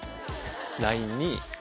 ＬＩＮＥに。